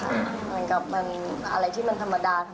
เหมือนกับมันอะไรที่มันธรรมดา